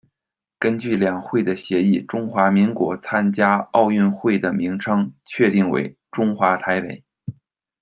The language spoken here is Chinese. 根据两会的协议，中华民国参加奥运会的名称确定为“中华台北”。